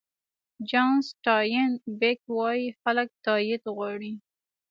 جان سټاین بېک وایي خلک تایید غواړي.